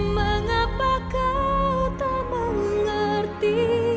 mengapa kau tak mengerti